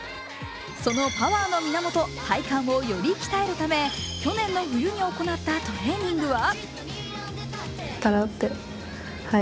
そのパワーの源体幹をより鍛えるため去年の冬に行ったトレーニングは？